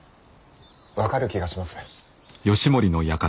分かる気がします。